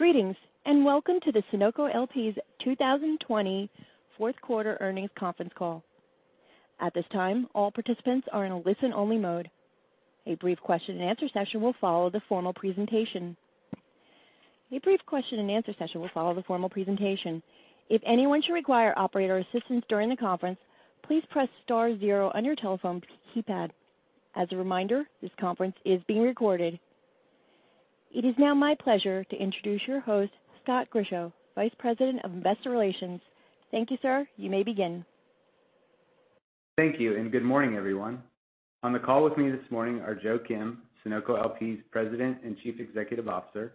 Greetings, and welcome to the Sunoco LP's 2020 fourth quarter earnings conference call. At this time, all participants are in a listen-only mode. A brief question and answer session will follow the formal presentation. If anyone should require operator assistance during the conference, please press star zero on your telephone keypad. As a reminder, this conference is being recorded. It is now my pleasure to introduce your host, Scott Grischow, Vice President of Investor Relations. Thank you, sir. You may begin. Thank you, and good morning, everyone. On the call with me this morning are Joe Kim, Sunoco LP's President and Chief Executive Officer;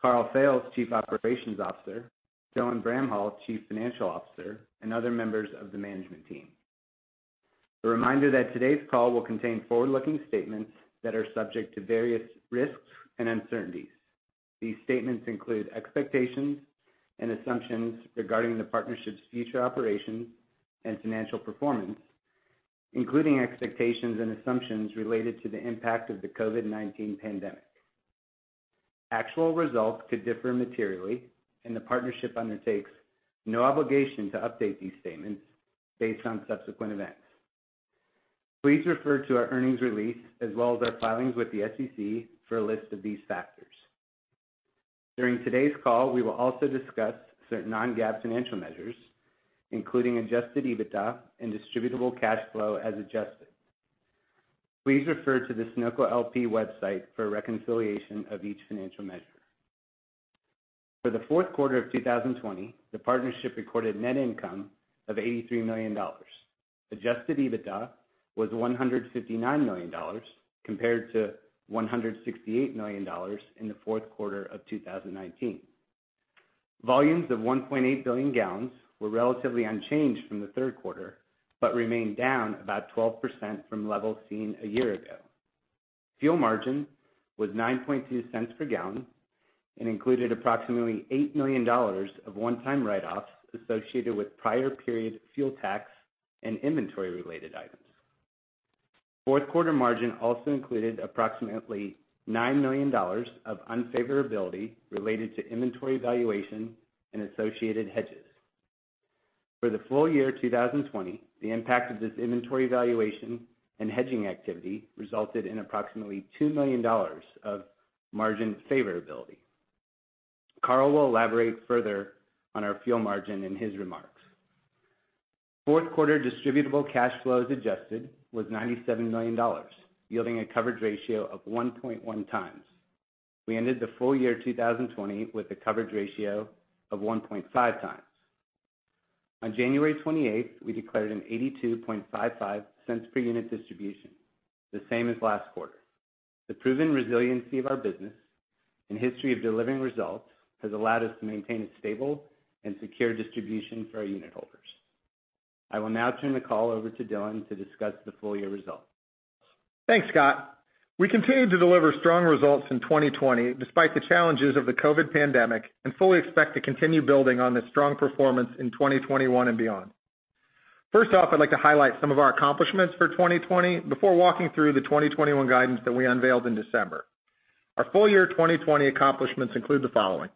Karl Fails, Chief Operations Officer; Dylan Bramhall, Chief Financial Officer; and other members of the management team. A reminder that today's call will contain forward-looking statements that are subject to various risks and uncertainties. These statements include expectations and assumptions regarding the partnership's future operations and financial performance, including expectations and assumptions related to the impact of the COVID-19 pandemic. Actual results could differ materially, and the partnership undertakes no obligation to update these statements based on subsequent events. Please refer to our earnings release as well as our filings with the SEC for a list of these factors. During today's call, we will also discuss certain non-GAAP financial measures, including Adjusted EBITDA and Distributable Cash Flow as adjusted. Please refer to the Sunoco LP website for a reconciliation of each financial measure. For the fourth quarter of 2020, the partnership recorded net income of $83 million. Adjusted EBITDA was $159 million compared to $168 million in the fourth quarter of 2019. Volumes of 1.8 billion gallons were relatively unchanged from the third quarter, but remained down about 12% from levels seen a year ago. Fuel margin was $0.092 per gallon and included approximately $8 million of one-time write-offs associated with prior period fuel tax and inventory-related items. Fourth quarter margin also included approximately $9 million of unfavorability related to inventory valuation and associated hedges. For the full year 2020, the impact of this inventory valuation and hedging activity resulted in approximately $2 million of margin favorability. Karl will elaborate further on our fuel margin in his remarks. Fourth quarter Distributable Cash Flow as adjusted was $97 million, yielding a coverage ratio of 1.1x. We ended the full year 2020 with a coverage ratio of 1.5x. On January 28th, we declared a $0.8255 per unit distribution, the same as last quarter. The proven resiliency of our business and history of delivering results has allowed us to maintain a stable and secure distribution for our unit holders. I will now turn the call over to Dylan to discuss the full year results. Thanks, Scott. We continued to deliver strong results in 2020 despite the challenges of the COVID pandemic and fully expect to continue building on this strong performance in 2021 and beyond. First off, I'd like to highlight some of our accomplishments for 2020 before walking through the 2021 guidance that we unveiled in December. Our full year 2020 accomplishments include the following.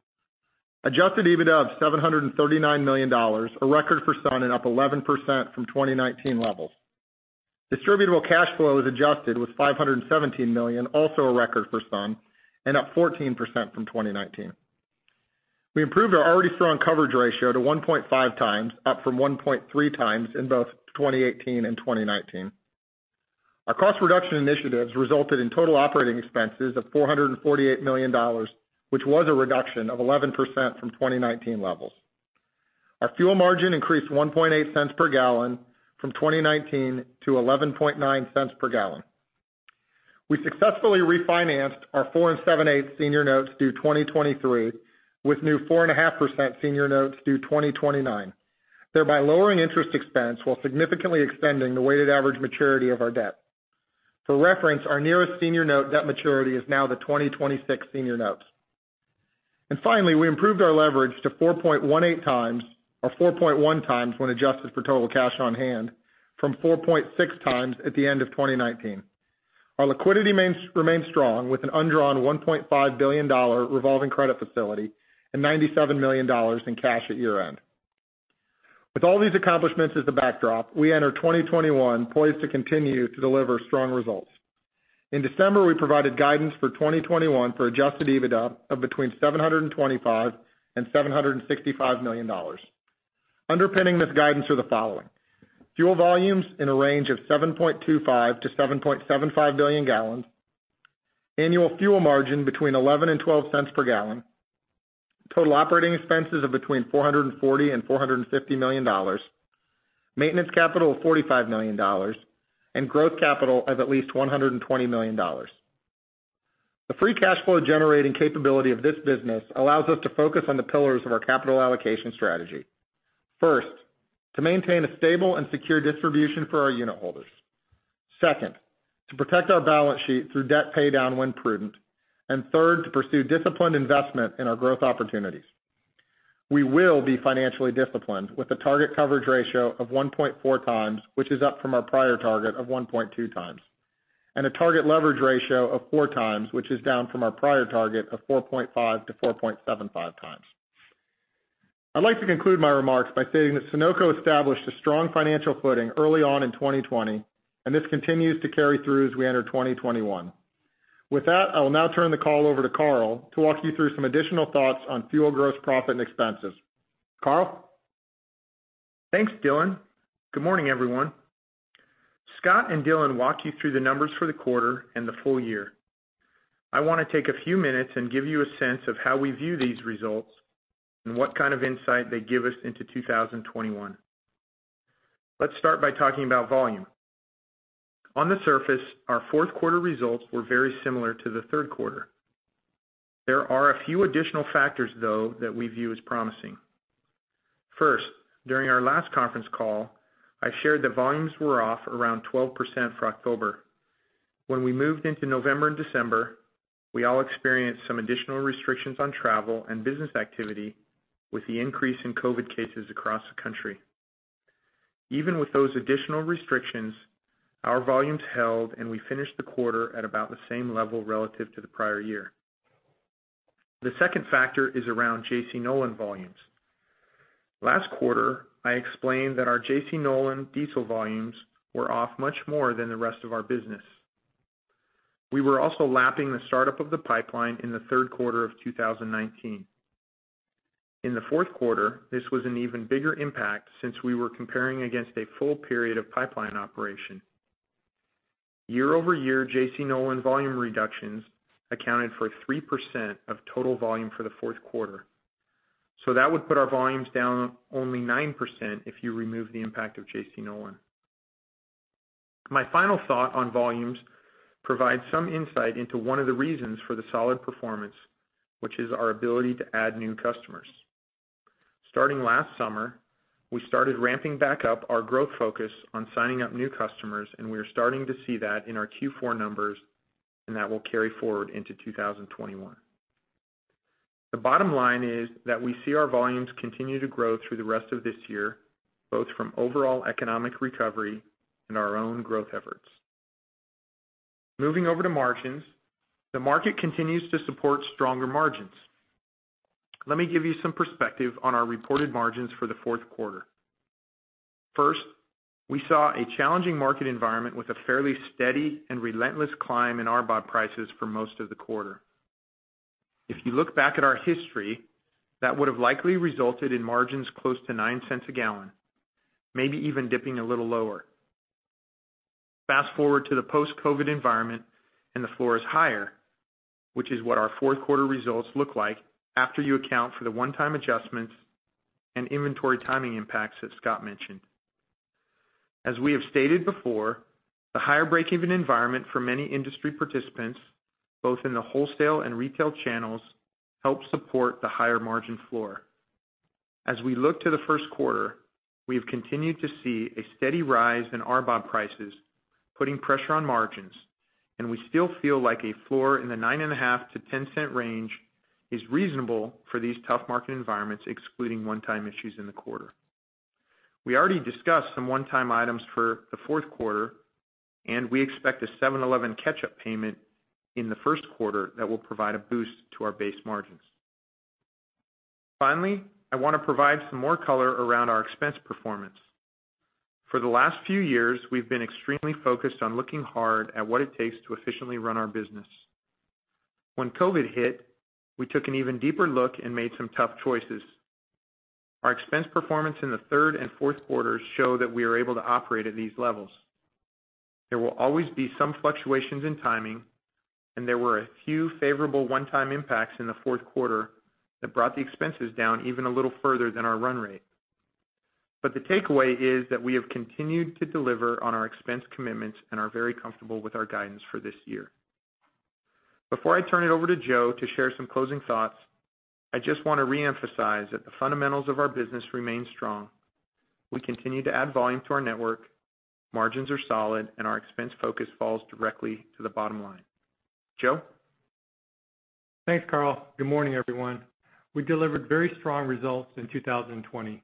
Adjusted EBITDA of $739 million, a record for Sun and up 11% from 2019 levels. Distributable cash flow as adjusted was $517 million, also a record for Sun, and up 14% from 2019. We improved our already strong coverage ratio to 1.5x, up from 1.3x in both 2018 and 2019. Our cost reduction initiatives resulted in total operating expenses of $448 million, which was a reduction of 11% from 2019 levels. Our fuel margin increased $0.018 per gallon from 2019 to $0.119 per gallon. We successfully refinanced our 4.875% senior notes due 2023 with new 4.5% senior notes due 2029, thereby lowering interest expense while significantly extending the weighted average maturity of our debt. For reference, our nearest senior note debt maturity is now the 2026 senior notes. Finally, we improved our leverage to 4.18x or 4.1x when adjusted for total cash on hand from 4.6x at the end of 2019. Our liquidity remains strong with an undrawn $1.5 billion revolving credit facility and $97 million in cash at year-end. With all these accomplishments as the backdrop, we enter 2021 poised to continue to deliver strong results. In December, we provided guidance for 2021 for Adjusted EBITDA of between $725 million and $765 million. Underpinning this guidance are the following. Fuel volumes in a range of 7.25 billion to 7.75 billion gallons, annual fuel margin between $0.11 and $0.12 per gallon, total operating expenses of between $440 million and $450 million, maintenance capital of $45 million, and growth capital of at least $120 million. The free cash flow generating capability of this business allows us to focus on the pillars of our capital allocation strategy. First, to maintain a stable and secure distribution for our unit holders. Second, to protect our balance sheet through debt paydown when prudent. Third, to pursue disciplined investment in our growth opportunities. We will be financially disciplined with a target coverage ratio of 1.4x, which is up from our prior target of 1.2x, and a target leverage ratio of four times, which is down from our prior target of 4.5x to 4.75x. I'd like to conclude my remarks by saying that Sunoco established a strong financial footing early on in 2020, and this continues to carry through as we enter 2021. With that, I will now turn the call over to Karl to walk you through some additional thoughts on fuel gross profit and expenses. Karl? Thanks, Dylan. Good morning, everyone. Scott and Dylan walked you through the numbers for the quarter and the full year. I want to take a few minutes and give you a sense of how we view these results and what kind of insight they give us into 2021. Let's start by talking about volume. On the surface, our fourth quarter results were very similar to the third quarter. There are a few additional factors, though, that we view as promising. First, during our last conference call, I shared that volumes were off around 12% for October. When we moved into November and December, we all experienced some additional restrictions on travel and business activity with the increase in COVID cases across the country. Even with those additional restrictions, our volumes held, and we finished the quarter at about the same level relative to the prior year. The second factor is around J.C. Nolan volumes. Last quarter, I explained that our J.C. Nolan diesel volumes were off much more than the rest of our business. We were also lapping the start-up of the pipeline in the third quarter of 2019. In the fourth quarter, this was an even bigger impact since we were comparing against a full period of pipeline operation. Year over year, J.C. Nolan volume reductions accounted for 3% of total volume for the fourth quarter. That would put our volumes down only 9% if you remove the impact of J.C. Nolan. My final thought on volumes provides some insight into one of the reasons for the solid performance, which is our ability to add new customers. Starting last summer, we started ramping back up our growth focus on signing up new customers, and we are starting to see that in our Q4 numbers, and that will carry forward into 2021. The bottom line is that we see our volumes continue to grow through the rest of this year, both from overall economic recovery and our own growth efforts. Moving over to margins, the market continues to support stronger margins. Let me give you some perspective on our reported margins for the fourth quarter. First, we saw a challenging market environment with a fairly steady and relentless climb in RBOB prices for most of the quarter. If you look back at our history, that would have likely resulted in margins close to $0.09 a gallon, maybe even dipping a little lower. Fast-forward to the post-COVID-19 environment, and the floor is higher, which is what our fourth quarter results look like after you account for the one-time adjustments and inventory timing impacts that Scott mentioned. As we have stated before, the higher breakeven environment for many industry participants, both in the wholesale and retail channels, help support the higher margin floor. As we look to the first quarter, we have continued to see a steady rise in RBOB prices putting pressure on margins, and we still feel like a floor in the $0.095-$0.10 range is reasonable for these tough market environments, excluding one-time issues in the quarter. We already discussed some one-time items for the fourth quarter, and we expect a 7-Eleven catch-up payment in the first quarter that will provide a boost to our base margins. Finally, I want to provide some more color around our expense performance. For the last few years, we've been extremely focused on looking hard at what it takes to efficiently run our business. When COVID hit, we took an even deeper look and made some tough choices. Our expense performance in the third and fourth quarters show that we are able to operate at these levels. There will always be some fluctuations in timing, and there were a few favorable one-time impacts in the fourth quarter that brought the expenses down even a little further than our run rate. The takeaway is that we have continued to deliver on our expense commitments and are very comfortable with our guidance for this year. Before I turn it over to Joe to share some closing thoughts, I just want to reemphasize that the fundamentals of our business remain strong. We continue to add volume to our network, margins are solid, and our expense focus falls directly to the bottom line. Joe? Thanks, Karl. Good morning, everyone. We delivered very strong results in 2020.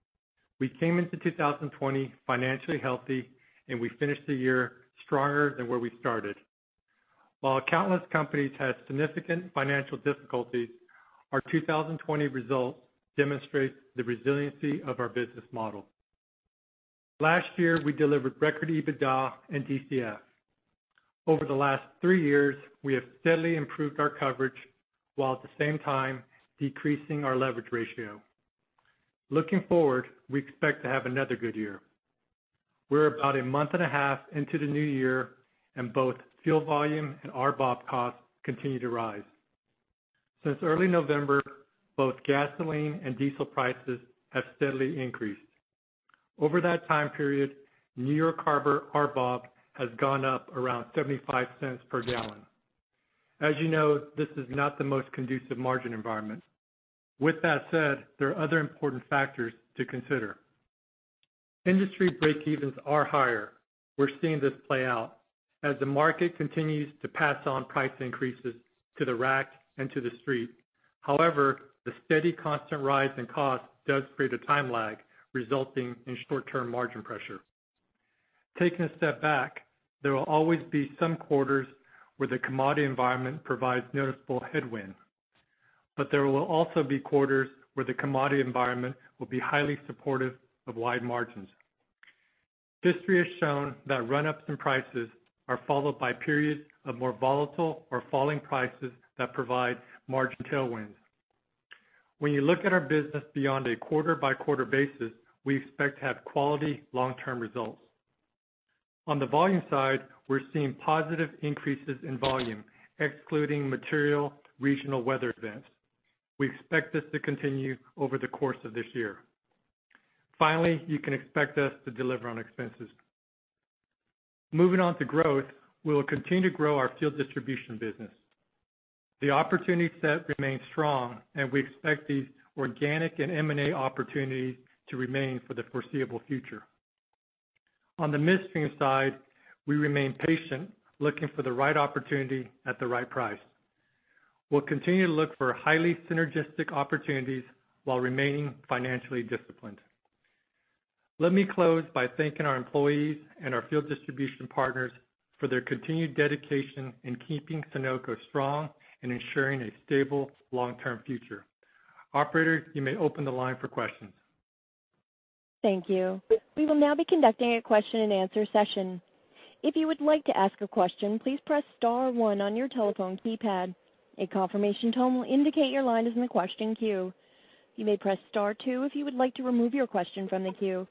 We came into 2020 financially healthy, and we finished the year stronger than where we started. While countless companies had significant financial difficulties, our 2020 results demonstrate the resiliency of our business model. Last year, we delivered record EBITDA and DCF. Over the last three years, we have steadily improved our coverage while at the same time decreasing our leverage ratio. Looking forward, we expect to have another good year. We're about a month and a half into the new year, and both fuel volume and RBOB costs continue to rise. Since early November, both gasoline and diesel prices have steadily increased. Over that time period, New York Harbor RBOB has gone up around $0.75 per gallon. As you know, this is not the most conducive margin environment. With that said, there are other important factors to consider. Industry break-evens are higher. We're seeing this play out as the market continues to pass on price increases to the rack and to the street. However, the steady constant rise in cost does create a time-lag, resulting in short-term margin pressure. Taking a step back, there will always be some quarters where the commodity environment provides noticeable headwind, but there will also be quarters where the commodity environment will be highly supportive of wide margins. History has shown that run-ups in prices are followed by periods of more volatile or falling prices that provide margin tailwinds. When you look at our business beyond a quarter-by-quarter basis, we expect to have quality long-term results. On the volume side, we're seeing positive increases in volume excluding material regional weather events. We expect this to continue over the course of this year. Finally, you can expect us to deliver on expenses. Moving on to growth, we will continue to grow our fuel distribution business. The opportunity set remains strong, and we expect these organic and M&A opportunities to remain for the foreseeable future. On the midstream side, we remain patient, looking for the right opportunity at the right price. We will continue to look for highly synergistic opportunities while remaining financially disciplined. Let me close by thanking our employees and our fuel distribution partners for their continued dedication in keeping Sunoco strong and ensuring a stable long-term future. Operator, you may open the line for questions. Thank you. We will now be conducting a question and answer session. If you would like to ask a question, please press star one on your telephone keypad. A confirmation tone will indicate your line is in the question queue. You may press star two if you would like to remove your question from the queue.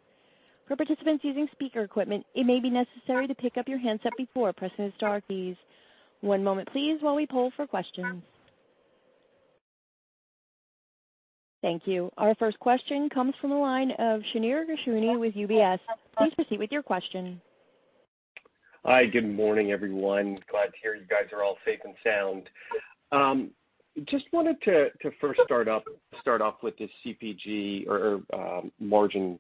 For participants using speaker equipment, it may be necessary to pick up your handset before pressing star keys. One moment please while we poll for questions. Thank you. Our first question comes from the line of Shneur Gershuni with UBS. Please proceed with your question. Hi, good morning, everyone. Glad to hear you guys are all safe and sound. Just wanted to first start off with the CPG or margin,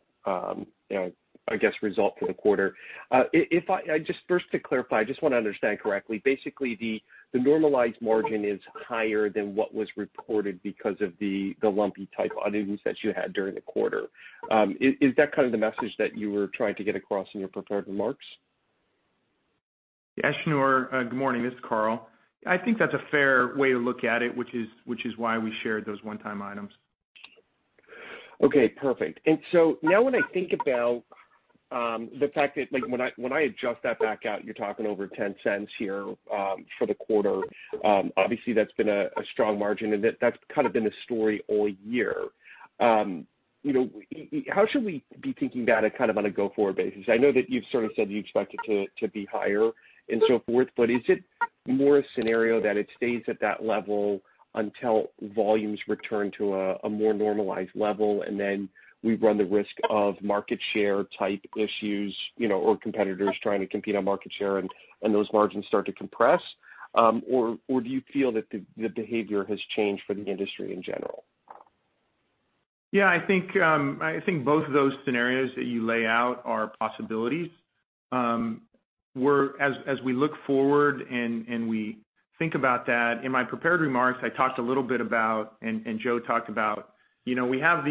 I guess, result for the quarter. Just first to clarify, I just want to understand correctly. Basically, the normalized margin is higher than what was reported because of the lumpy type items that you had during the quarter. Is that kind of the message that you were trying to get across in your prepared remarks? Yeah, Shneur, good morning. This is Karl. I think that's a fair way to look at it, which is why we shared those one-time items. Okay, perfect. Now when I think about the fact that when I adjust that back out, you're talking over $0.10 here for the quarter. Obviously, that's been a strong margin, and that's kind of been the story all year. How should we be thinking about it on a go-forward basis? I know that you've sort of said you expect it to be higher and so forth, but is it more a scenario that it stays at that level until volumes return to a more normalized level, and then we run the risk of market share type issues, or competitors trying to compete on market share and those margins start to compress? Or do you feel that the behavior has changed for the industry in general? Yeah, I think both of those scenarios that you lay out are possibilities. As we look forward and we think about that, in my prepared remarks, I talked a little bit about, and Joe talked about we have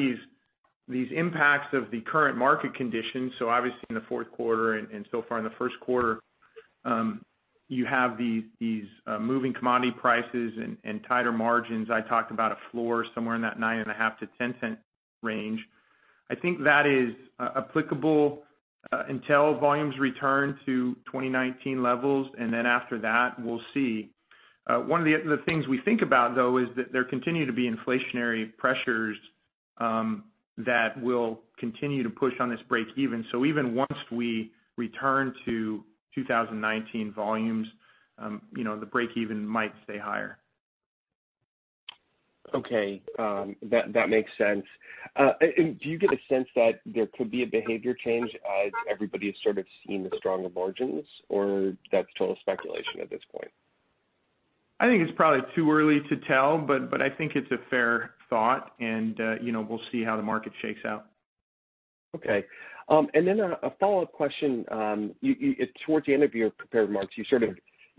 these impacts of the current market conditions. Obviously in the fourth quarter and so far in the first quarter, you have these moving commodity prices and tighter margins. I talked about a floor somewhere in that $0.095-$0.10 range. I think that is applicable until volumes return to 2019 levels, and then after that, we'll see. One of the things we think about, though, is that there continue to be inflationary pressures that will continue to push on this break even. Even once we return to 2019 volumes, the break even might stay higher. Okay. That makes sense. Do you get a sense that there could be a behavior change as everybody has sort of seen the stronger margins, or that's total speculation at this point? I think it's probably too early to tell, but I think it's a fair thought, and we'll see how the market shakes out. Okay. A follow-up question. Towards the end of your prepared remarks, you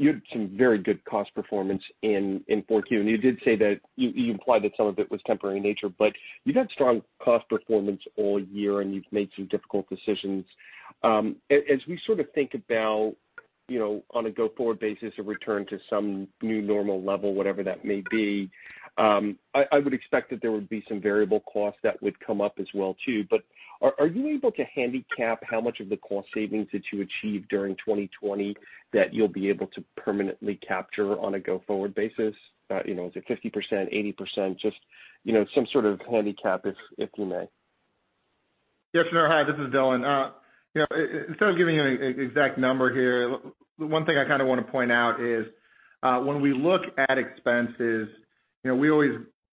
had some very good cost performance in Q4. You implied that some of it was temporary in nature, but you've had strong cost performance all year, and you've made some difficult decisions. As we sort of think about on a go-forward basis, a return to some new normal level, whatever that may be, I would expect that there would be some variable costs that would come up as well, too. Are you able to handicap how much of the cost savings that you achieved during 2020 that you'll be able to permanently capture on a go-forward basis? Is it 50%, 80%? Just some sort of handicap, if you may. Shneur, hi, this is Dylan. Instead of giving you an exact number here, one thing I kind of want to point out is when we look at expenses, we always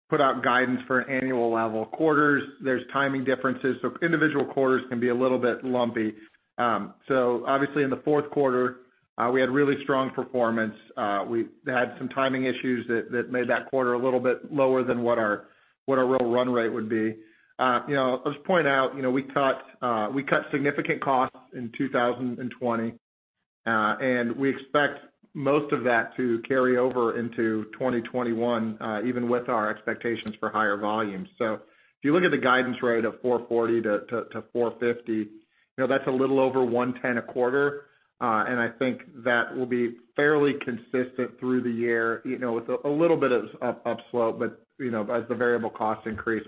put out guidance for annual level quarters. There's timing differences, individual quarters can be a little bit lumpy. obviously in the fourth quarter We had really strong performance. We had some timing issues that made that quarter a little bit lower than what our real run rate would be. I'll just point out, we cut significant costs in 2020, and we expect most of that to carry over into 2021, even with our expectations for higher volumes. If you look at the guidance rate of $440-$450, that's a little over $110 a quarter. I think that will be fairly consistent through the year, with a little bit of upslope, but as the variable costs increase.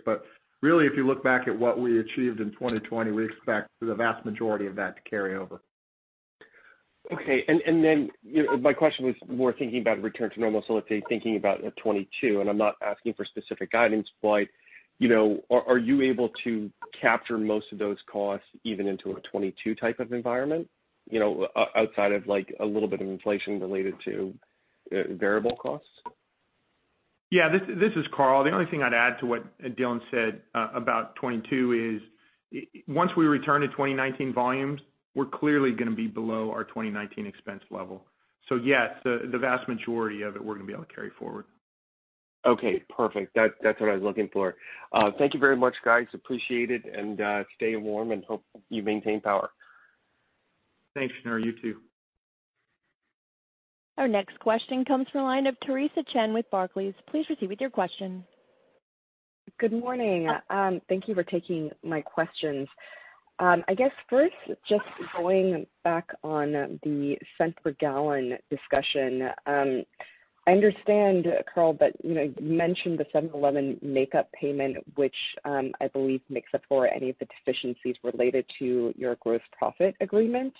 Really, if you look back at what we achieved in 2020, we expect the vast majority of that to carry over. Okay. My question was more thinking about return to normal, so let's say thinking about 2022, and I'm not asking for specific guidance, but are you able to capture most of those costs even into a 2022 type of environment, outside of a little bit of inflation related to variable costs? Yeah. This is Karl. The only thing I'd add to what Dylan said about 2022 is, once we return to 2019 volumes, we're clearly going to be below our 2019 expense level. Yes, the vast majority of it we're going to be able to carry forward. Okay, perfect. That's what I was looking for. Thank you very much, guys. Appreciate it, and stay warm and hope you maintain power. Thanks, Shneur. You, too. Our next question comes from the line of Theresa Chen with Barclays. Please proceed with your question. Good morning. Thank you for taking my questions. I guess first, just going back on the cents per gallon discussion. I understand, Karl, that you mentioned the 7-Eleven makeup payment, which I believe makes up for any of the deficiencies related to your gross profit agreement.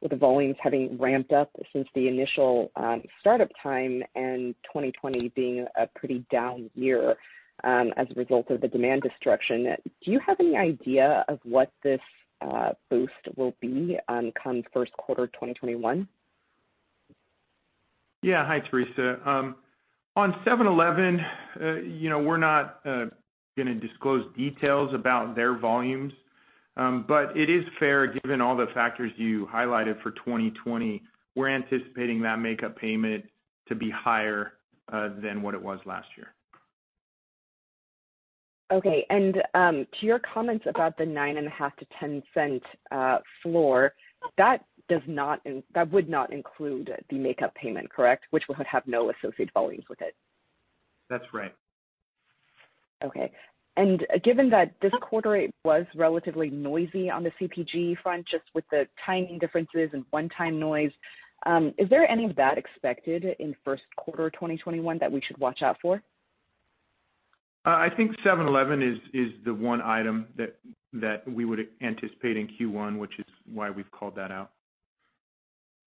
With the volumes having ramped up since the initial startup time and 2020 being a pretty down year as a result of the demand destruction, do you have any idea of what this boost will be come first quarter 2021? Yeah. Hi, Theresa. On 7-Eleven, we're not going to disclose details about their volumes. It is fair given all the factors you highlighted for 2020, we're anticipating that makeup payment to be higher than what it was last year. Okay. To your comments about the $0.095-$0.10 floor, that would not include the makeup payment, correct? Which would have no associated volumes with it. That's right. Okay. Given that this quarter it was relatively noisy on the CPG front, just with the timing differences and one-time noise, is there any of that expected in first quarter 2021 that we should watch out for? I think 7-Eleven is the one item that we would anticipate in Q1, which is why we've called that out.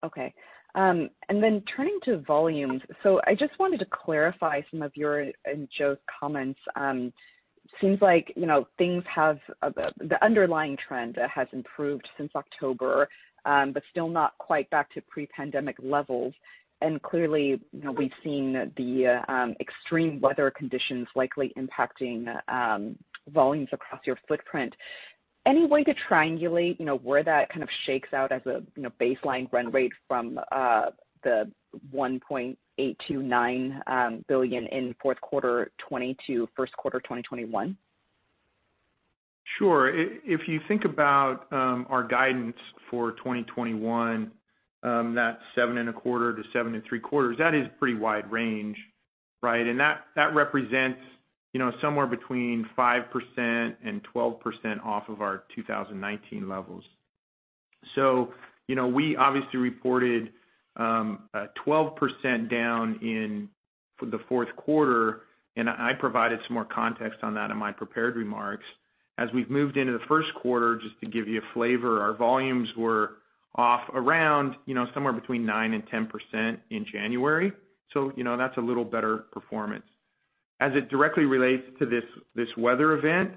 Okay. Turning to volumes. I just wanted to clarify some of your and Joe's comments. Seems like the underlying trend has improved since October, but still not quite back to pre-pandemic levels. Clearly, we've seen the extreme weather conditions likely impacting volumes across your footprint. Any way to triangulate where that kind of shakes out as a baseline run rate from the $1.829 billion in fourth quarter 2020 to first quarter 2021? Sure. If you think about our guidance for 2021, that seven and a quarter to seven and three quarters, that is pretty wide range, right. That represents somewhere between 5% and 12% off of our 2019 levels. We obviously reported 12% down in the fourth quarter, and I provided some more context on that in my prepared remarks. As we've moved into the first quarter, just to give you a flavor, our volumes were off around somewhere between 9% and 10% in January. That's a little better performance. As it directly relates to this weather event,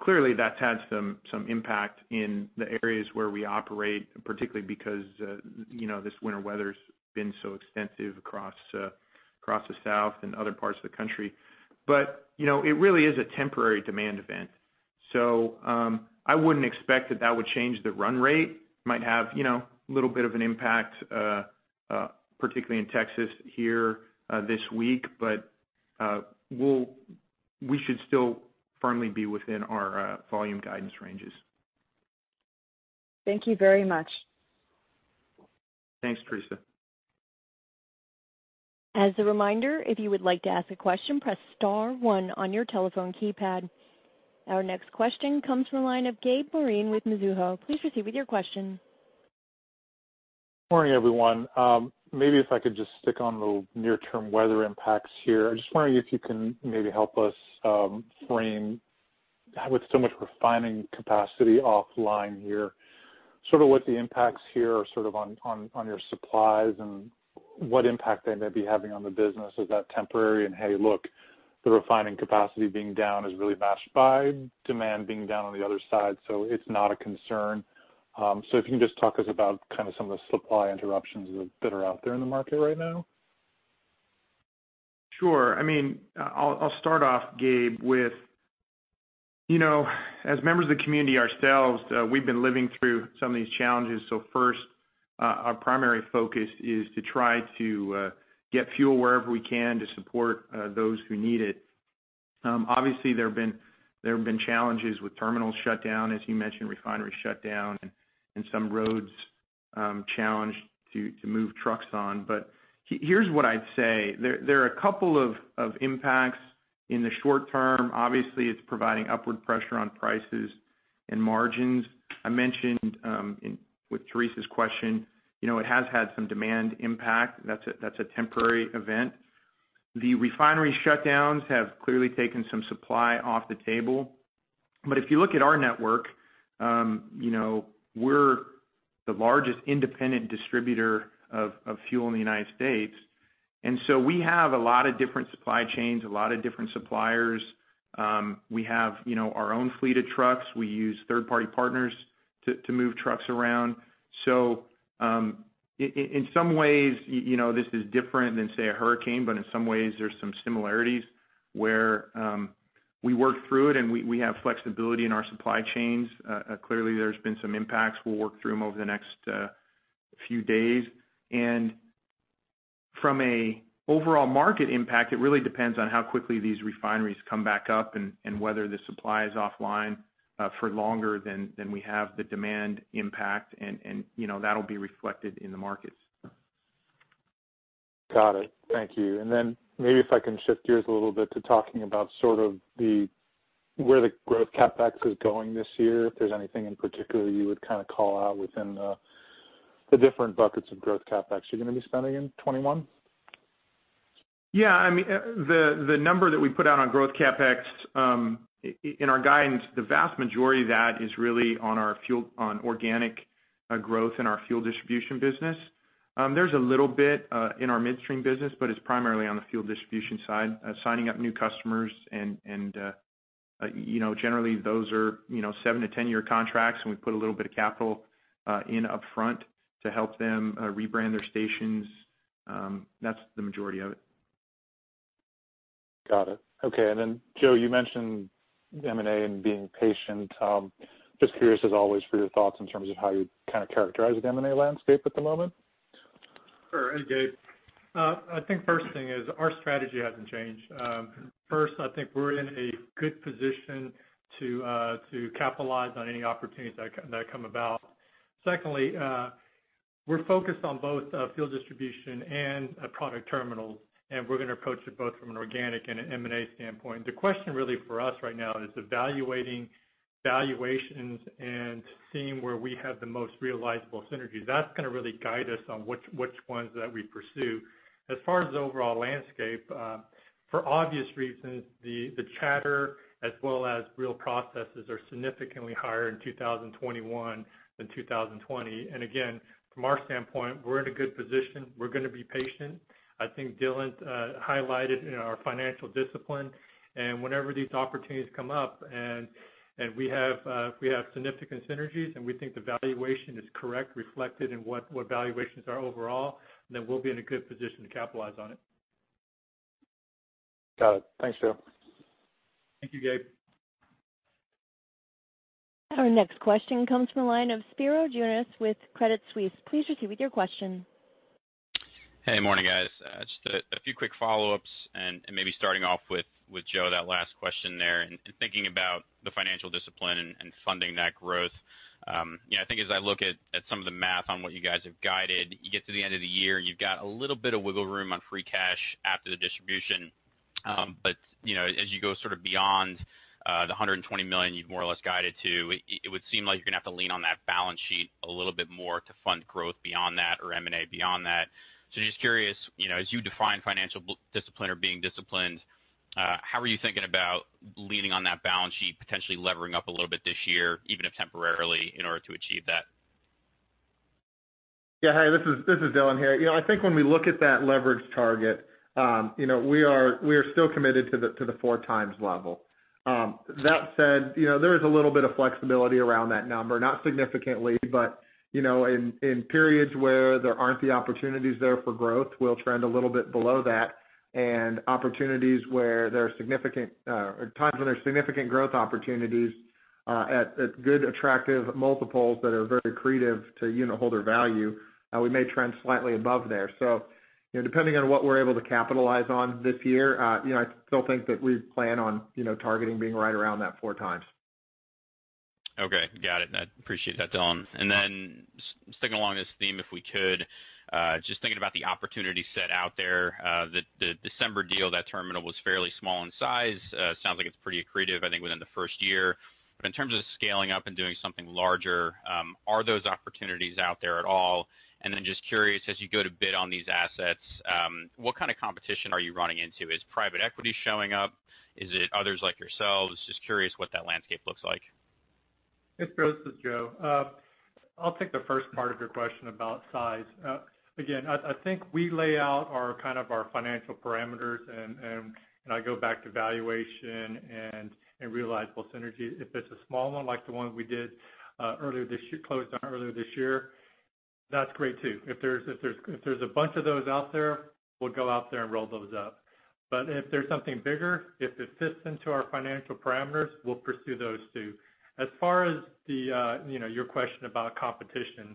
clearly that's had some impact in the areas where we operate, particularly because this winter weather's been so extensive across the South and other parts of the country. It really is a temporary demand event. I wouldn't expect that that would change the run rate. Might have a little bit of an impact, particularly in Texas here this week, but we should still firmly be within our volume guidance ranges. Thank you very much. Thanks, Theresa. As a reminder, if you would like to ask a question, press star one on your telephone keypad. Our next question comes from the line of Gabe Moreen with Mizuho. Please proceed with your question. Morning, everyone. Maybe if I could just stick on the near-term weather impacts here. I was just wondering if you can maybe help us frame, with so much refining capacity offline here, sort of what the impacts here are on your supplies and what impact they may be having on the business. Is that temporary and, hey, look, the refining capacity being down is really matched by demand being down on the other side, so it's not a concern? If you can just talk to us about some of the supply interruptions that are out there in the market right now. Sure. I'll start off, Gabe, with, as members of the community ourselves, we've been living through some of these challenges. First, our primary focus is to try to get fuel wherever we can to support those who need it. Obviously, there have been challenges with terminal shutdown, as you mentioned, refinery shutdown, and some roads challenged to move trucks on. Here's what I'd say. There are a couple of impacts in the short term. Obviously, it's providing upward pressure on prices and margins. I mentioned, with Theresa's question, it has had some demand impact. That's a temporary event. The refinery shutdowns have clearly taken some supply off the table. If you look at our network, we're the largest independent distributor of fuel in the U.S. We have a lot of different supply chains, a lot of different suppliers. We have our own fleet of trucks. We use third-party partners to move trucks around. In some ways, this is different than, say, a hurricane, but in some ways, there's some similarities, where we work through it, and we have flexibility in our supply chains. Clearly, there's been some impacts. We'll work through them over the next few days. From a overall market impact, it really depends on how quickly these refineries come back up and whether the supply is offline for longer than we have the demand impact, and that'll be reflected in the markets. Got it. Thank you. Maybe if I can shift gears a little bit to talking about where the growth CapEx is going this year, if there's anything in particular you would call out within the different buckets of growth CapEx you're going to be spending in 2021? Yeah. The number that we put out on growth CapEx, in our guidance, the vast majority of that is really on organic growth in our fuel distribution business. There's a little bit in our midstream business, but it's primarily on the fuel distribution side, signing up new customers, and generally, those are 7-10-year contracts, and we put a little bit of capital in upfront to help them rebrand their stations. That's the majority of it. Got it. Okay. Joe, you mentioned M&A and being patient. Just curious as always for your thoughts in terms of how you'd characterize the M&A landscape at the moment. Sure. Hey, Gabe. I think first thing is our strategy hasn't changed. First, I think we're in a good position to capitalize on any opportunities that come about. Secondly, we're focused on both fuel distribution and product terminals, and we're going to approach it both from an organic and an M&A standpoint. The question really for us right now is evaluating valuations and seeing where we have the most realizable synergies. That's going to really guide us on which ones that we pursue. As far as the overall landscape, for obvious reasons, the chatter as well as real processes are significantly higher in 2021 than 2020. Again, from our standpoint, we're in a good position. We're going to be patient. I think Dylan highlighted our financial discipline, and whenever these opportunities come up, and if we have significant synergies, and we think the valuation is correct reflected in what valuations are overall, then we'll be in a good position to capitalize on it. Got it. Thanks, Joe. Thank you, Gabe. Our next question comes from the line of Spiro Dounis with Credit Suisse. Please proceed with your question. Hey, morning, guys. Just a few quick follow-ups, maybe starting off with Joe, that last question there, and thinking about the financial discipline and funding that growth. I think as I look at some of the math on what you guys have guided, you get to the end of the year, and you've got a little bit of wiggle room on free cash after the distribution. As you go beyond the $120 million you've more or less guided to, it would seem like you're going to have to lean on that balance sheet a little bit more to fund growth beyond that or M&A beyond that. Just curious, as you define financial discipline or being disciplined, how are you thinking about leaning on that balance sheet, potentially levering up a little bit this year, even if temporarily, in order to achieve that? Yeah. Hey, this is Dylan here. I think when we look at that leverage target, we are still committed to the four times level. That said, there is a little bit of flexibility around that number. Not significantly, but in periods where there aren't the opportunities there for growth, we'll trend a little bit below that, and times when there's significant growth opportunities at good, attractive multiples that are very accretive to unit holder value, we may trend slightly above there. Depending on what we're able to capitalize on this year, I still think that we plan on targeting being right around that four times. Okay. Got it. I appreciate that, Dylan. Sticking along this theme, if we could, just thinking about the opportunity set out there. The December deal, that terminal was fairly small in size. Sounds like it's pretty accretive, I think, within the first year. In terms of scaling up and doing something larger, are those opportunities out there at all? Just curious, as you go to bid on these assets, what kind of competition are you running into? Is private equity showing up? Is it others like yourselves? Just curious what that landscape looks like. Hey, Spiro. This is Joe. I'll take the first part of your question about size. I think we lay out our financial parameters, and I go back to valuation and realizable synergies. If it's a small one like the one we closed on earlier this year. That's great, too. If there's a bunch of those out there, we'll go out there and roll those up. If there's something bigger, if it fits into our financial parameters, we'll pursue those, too. As far as your question about competition,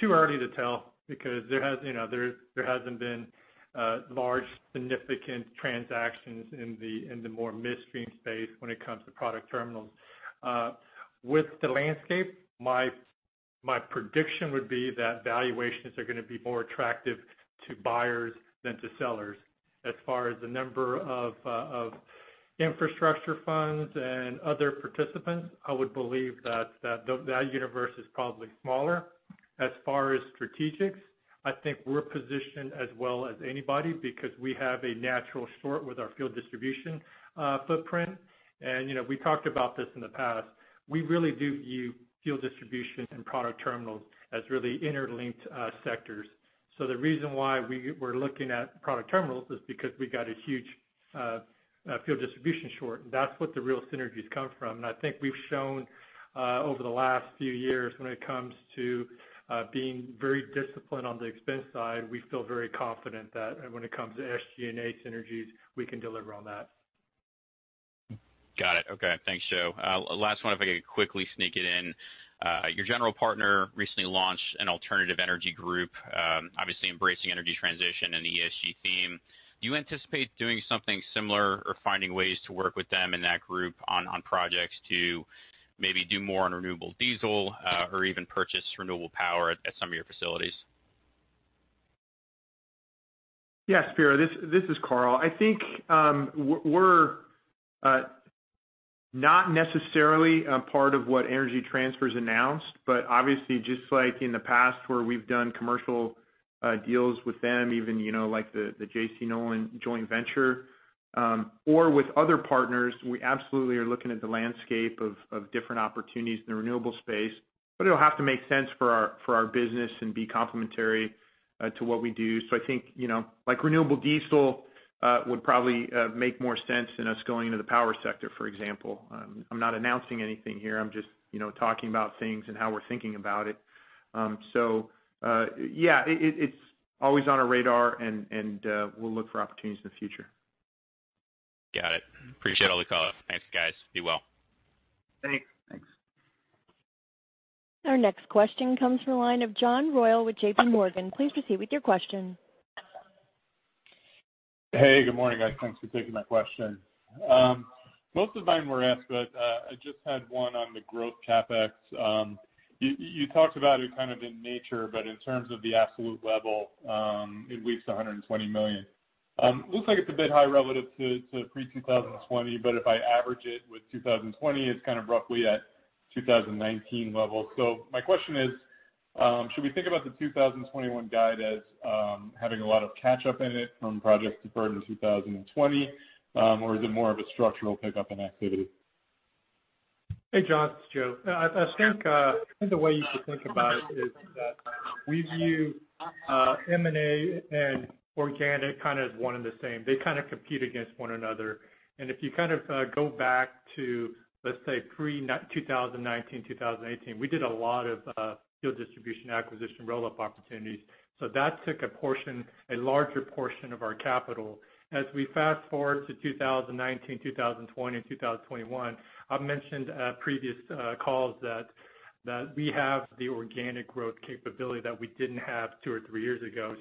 too early to tell because there hasn't been large significant transactions in the more midstream space when it comes to product terminals. With the landscape, my prediction would be that valuations are going to be more attractive to buyers than to sellers. As far as the number of infrastructure funds and other participants, I would believe that universe is probably smaller. As far as strategics, I think we're positioned as well as anybody because we have a natural sort with our fuel distribution footprint. We talked about this in the past, we really do view fuel distribution and product terminals as really interlinked sectors. The reason why we were looking at product terminals is because we got a huge fuel distribution short, and that's what the real synergies come from. I think we've shown over the last few years when it comes to being very disciplined on the expense side, we feel very confident that when it comes to SG&A synergies, we can deliver on that. Got it. Okay. Thanks, Joe. Last one, if I could quickly sneak it in. Your general partner recently launched an alternative energy group, obviously embracing energy transition and the ESG theme. Do you anticipate doing something similar or finding ways to work with them in that group on projects to maybe do more on renewable diesel or even purchase renewable power at some of your facilities? Yes, Spiro, this is Karl. I think we're not necessarily a part of what Energy Transfer's announced, obviously just like in the past where we've done commercial deals with them, even like the J.C. Nolan joint venture, or with other partners, we absolutely are looking at the landscape of different opportunities in the renewable space. It'll have to make sense for our business and be complementary to what we do. I think, like renewable diesel would probably make more sense than us going into the power sector, for example. I'm not announcing anything here. I'm just talking about things and how we're thinking about it. Yeah, it's always on our radar and we'll look for opportunities in the future. Got it. Appreciate all the color. Thanks, guys. Be well. Thanks. Thanks. Our next question comes from the line of John Royall with J.P. Morgan. Please proceed with your question. Hey, good morning, guys. Thanks for taking my question. Most of mine were asked, but I just had one on the growth CapEx. You talked about it kind of in nature, but in terms of the absolute level, it leads to $120 million. Looks like it's a bit high relative to pre-2020, but if I average it with 2020, it's kind of roughly at 2019 levels. My question is, should we think about the 2021 guide as having a lot of catch-up in it from projects deferred in 2020? Is it more of a structural pickup in activity? Hey, John, it's Joe. I think the way you should think about it is that we view M&A and organic kind of as one and the same. They kind of compete against one another. If you go back to, let's say, pre 2019, 2018, we did a lot of fuel distribution acquisition roll-up opportunities. That took a larger portion of our capital. As we fast-forward to 2019, 2020, and 2021, I've mentioned at previous calls that we have the organic growth capability that we didn't have two or three years ago.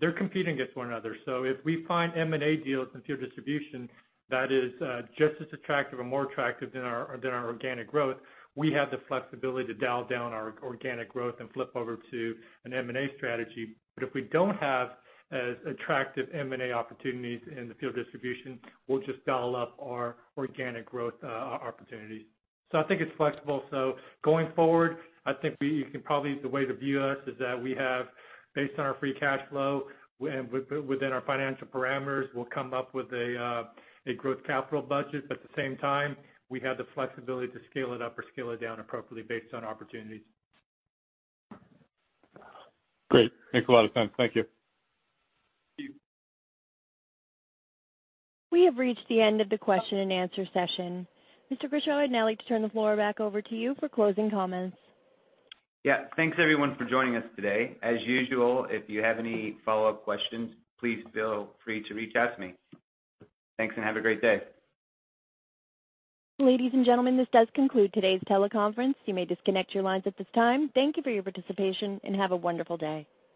They're competing against one another. If we find M&A deals in fuel distribution that is just as attractive or more attractive than our organic growth, we have the flexibility to dial down our organic growth and flip over to an M&A strategy. If we don't have as attractive M&A opportunities in the fuel distribution, we'll just dial up our organic growth opportunities. I think it's flexible. Going forward, I think probably the way to view us is that we have, based on our free cash flow and within our financial parameters, we'll come up with a growth capital budget. At the same time, we have the flexibility to scale it up or scale it down appropriately based on opportunities. Great. Thanks a lot of time. Thank you. Thank you. We have reached the end of the question and answer session. Mr. Grischow, I'd now like to turn the floor back over to you for closing comments. Yeah. Thanks, everyone, for joining us today. As usual, if you have any follow-up questions, please feel free to reach out to me. Thanks, and have a great day. Ladies and gentlemen, this does conclude today's teleconference. You may disconnect your lines at this time. Thank you for your participation, and have a wonderful day.